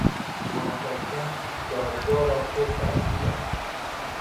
تماشاچیان دادگاه را پر کرده بودند.